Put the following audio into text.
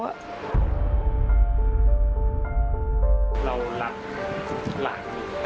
เราหลักหลัก